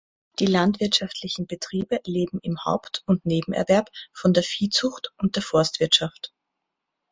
Die landwirtschaftlichen Betriebe leben im Haupt- und Nebenerwerb von der Viehzucht und der Forstwirtschaft.